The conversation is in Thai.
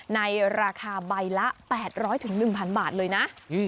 ในราคาใบละ๘๐๐๑๐๐บาทเลยนะ